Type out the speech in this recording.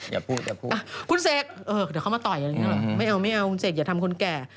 อย่าพูดคุณเศกเออเดี๋ยวเขามาต่อยอย่างนี้หรอไม่เอาคุณเศกอย่าทำคนแก่